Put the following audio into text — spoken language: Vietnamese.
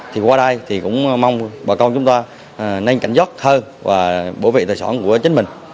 thì qua đây thì cũng mong bà con chúng ta nhanh cảnh giấc hơn và bổ vệ tài sản của chính mình